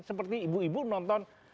seperti ibu ibu nonton